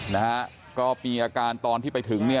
นะฮะก็มีอาการตอนที่ไปถึงเนี่ย